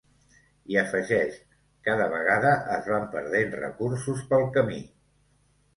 I afegeix: ‘cada vegada es van perdent recursos pel camí’.